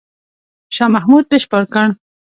شاه محمود بشپړ کړ.